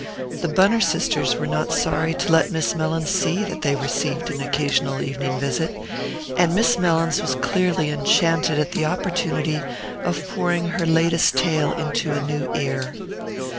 The Bunner sisters were not sorry to let Miss Mellins see that they received an occasional evening visit, and Miss Mellins was clearly enchanted at the opportunity of pouring her latest tale into a new ear.